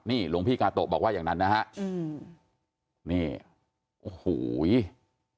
นี่หลวงพี่กาโตะบอกว่าอย่างนั้นนะฮะ